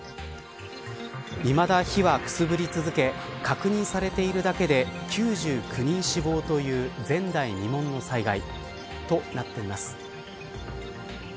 いまだ、火はくすぶり続け確認されているだけで９９人死亡という前代未聞の災害となっています。